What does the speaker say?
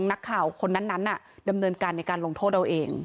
นักข่าวคนนั้นดำเนินการในการลงโทษเอาเอง